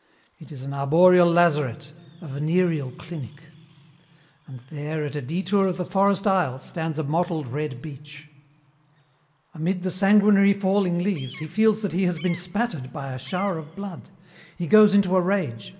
It is an arboreal lazaret, a venereal clinic. "And there, at a detour of the forest aisle, stands a mottled red beech. "Amid the sanguinary falling leaves he feels that he has been spattered by a shower of blood. He goes into a rage.